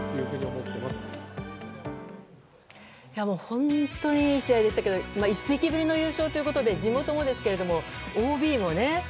本当に、いい試合でしたけど１世紀ぶりの優勝ということで地元もですけどＯＢもね。